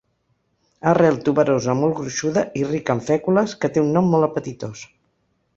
Arrel tuberosa molt gruixuda i rica en fècules que té un nom molt apetitós.